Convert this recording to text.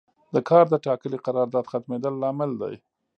د کار د ټاکلي قرارداد ختمیدل لامل دی.